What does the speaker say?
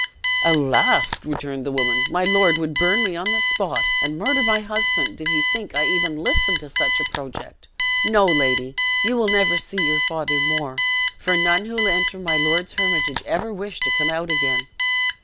"Alas!" returned the woman, "my lord would burn me on the spot, and murder my husband, did he think I even listened to such a project. No, lady; you never will see your father more; for none who enter my lord's Hermitage ever wish to come out again."